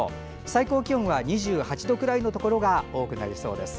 最高気温は２８度くらいのところが多くなりそうです。